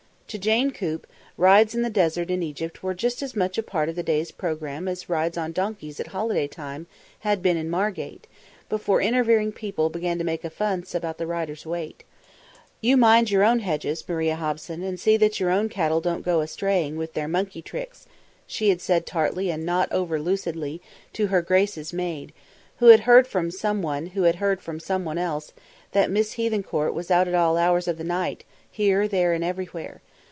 To Jane Coop, rides in the desert in Egypt were just as much a part of the day's programme as rides on donkeys at holiday time had been in Margate, before interfering people began to make a fuss about the rider's weight. "You mind your own hedges, Maria Hobson, and see that your own cattle don't go a straying, with their monkey tricks," she had said tartly and not over lucidly, to her grace's maid, who had heard from someone who had heard from someone else that Miss Hethencourt was out at all hours of the night, here, there and everywhere.